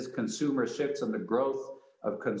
kembali satu pagi silakan